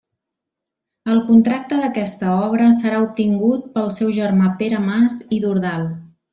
El contracte d'aquesta obra serà obtingut pel seu germà Pere Mas i Dordal.